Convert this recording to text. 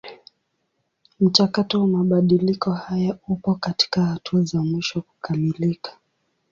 Mchakato wa mabadiliko haya upo katika hatua za mwisho kukamilika.